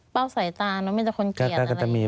เป้าใส่ตาเนอะไม่ได้คนเกลียดอะไรอย่างนี้